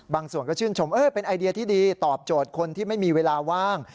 ส่วนก็ชื่นชมเป็นไอเดียที่ดีตอบโจทย์คนที่ไม่มีเวลาว่าง